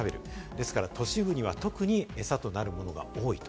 ですから都市部には特に餌となるものが多いと。